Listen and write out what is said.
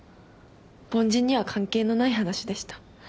凡人には関係のない話でした。